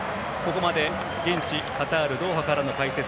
ここまで現地カタール・ドーハからの解説